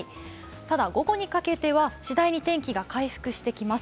ただ、午後にかけては次第に天気が回復してきます。